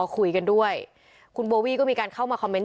คือตอนนั้นหมากกว่าอะไรอย่างเงี้ย